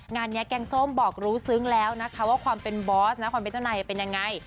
งานนี้แกงส้มบอกรู้ซึ้งแล้วนะคะว่าความเป็นบอสนะความเป็นเจ้านายเป็นยังไง